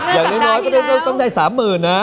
อย่างน้อยก็ต้องได้๓๐๐๐นะ